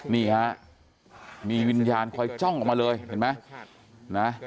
นี่ฮะมีวิญญาณคอยจ้องออกมาเลยเห็นไหม